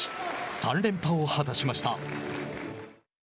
３連覇を果たしました。